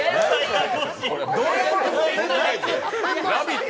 「ラヴィット！」